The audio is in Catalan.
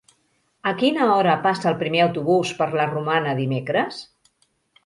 A quina hora passa el primer autobús per la Romana dimecres?